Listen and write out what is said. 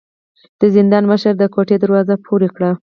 د زندان مشر د کوټې دروازه پورې کړه.